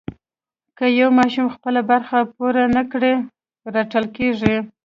که یو ماشوم خپله برخه پوره نه کړي رټل کېږي.